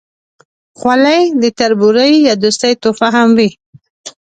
خولۍ د تربورۍ یا دوستۍ تحفه هم وي.